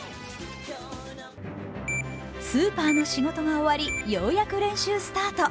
スーパーの仕事が終わり、ようやく練習スタート。